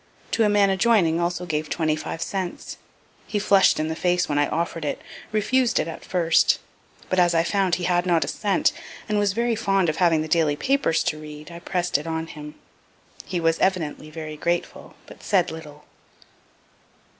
To a man adjoining also gave twenty five cents; he flush'd in the face when I offer'd it refused at first, but as I found he had not a cent, and was very fond of having the daily papers to read, I prest it on him. He was evidently very grateful, but said little.